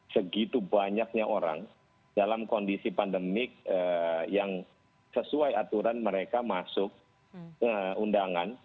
segitu banyaknya orang dalam kondisi pandemik yang sesuai aturan mereka masuk undangan